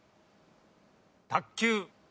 卓球。